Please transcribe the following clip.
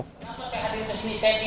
kenapa saya hadir kesini